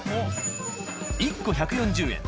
１個１４０円